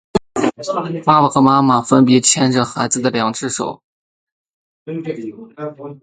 爸爸和妈妈分别牵着孩子的两只手